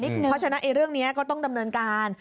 เพราะฉะนั้นเรื่องนี้ก็ต้องดำเนินการ